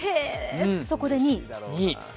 そこで２位。